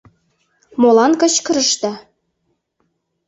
Молан кычкырышда?